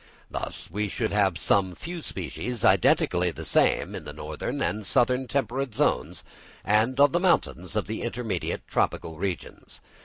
Thus, we should have some few species identically the same in the northern and southern temperate zones and on the mountains of the intermediate tropical regions.